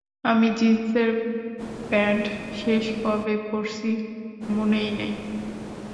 আমি জিন্সের প্যান্ট শেষ কবে পরছি, মনেই নাই।